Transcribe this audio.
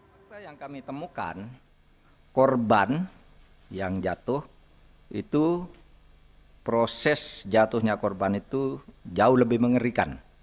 fakta yang kami temukan korban yang jatuh itu proses jatuhnya korban itu jauh lebih mengerikan